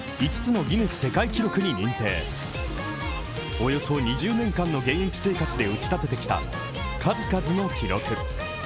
およそ２０年間の現役生活で打ち立ててきた数々の記録。